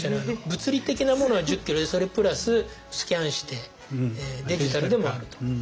物理的なものは１０キロでそれプラススキャンしてデジタルでもあると。